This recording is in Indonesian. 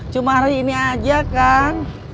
cuma hari ini aja kan